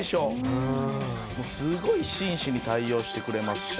すごい紳士に対応してくれますし。